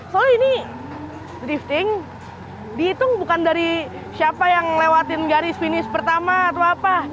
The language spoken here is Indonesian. soalnya ini drifting dihitung bukan dari siapa yang lewatin garis finish pertama atau apa